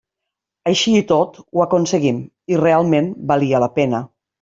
Així i tot, ho aconseguim i realment valia la pena.